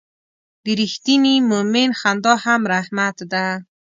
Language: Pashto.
د رښتیني مؤمن خندا هم رحمت ده.